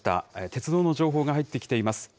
鉄道の情報が入ってきています。